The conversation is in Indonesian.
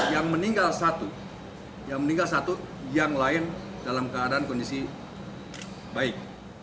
yang meninggal satu yang meninggal satu yang lain dalam keadaan kondisi baik